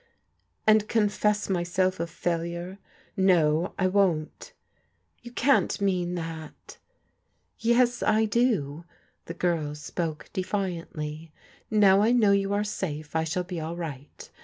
" And confess myself a failure? No, I won't." " You can't mean that ?"" Yes, I do," the girl spoke defiantly. " Now I know you are safe, I shall be all right.